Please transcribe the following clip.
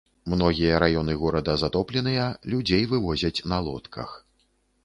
Многія раёны горада затопленыя, людзей вывозяць на лодках.